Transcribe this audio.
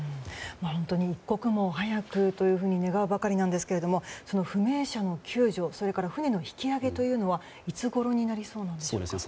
本当に一刻も早くと願うばかりなんですけども不明者の救助それから船の引き揚げはいつごろになりそうでしょうか。